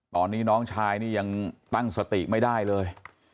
ตอนนี้น้องชายนี่ยังตั้งสติไม่ได้เลย